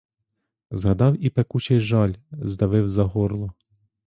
Згадав і пекучий жаль здавив за горло.